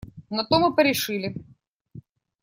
На том и порешили.